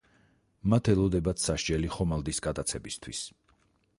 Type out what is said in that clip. მათ ელოდებათ სასჯელი ხომალდის გატაცებისთვის.